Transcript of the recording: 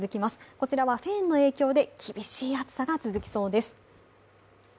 こちらはフェーンの影響で厳しい暑さが続きそうです。